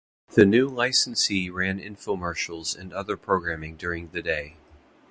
The new licensee ran infomercials and other programming during the day.